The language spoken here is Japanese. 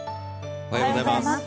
おはようございます。